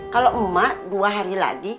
kalau emak dua hari lagi